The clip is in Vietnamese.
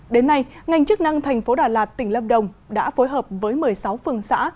đến nay ngành chức năng thành phố đà lạt tỉnh lâm đồng đã phối hợp với một mươi sáu phương xã